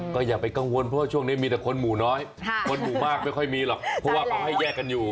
ก็อย่าไปกังวลเพราะว่าช่วงนี้มีแต่คนหมู่น้อยคนหมู่มากไม่ค่อยมีหรอกเพราะว่าเขาให้แยกกันอยู่